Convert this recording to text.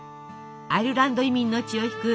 アイルランド移民の血を引くディズニー